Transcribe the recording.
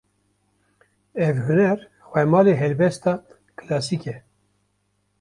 Ev huner, xwemalê helbesta klasîk e